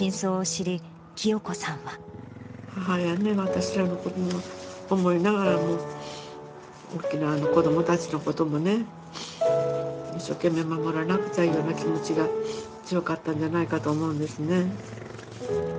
母やね、私らのことを思いながらも、沖縄の子どもたちのこともね、一生懸命守らなくちゃいうような気持ちが強かったんじゃないかと思うんですね。